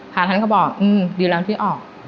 พระท่านก็บอกดีแล้วที่ออก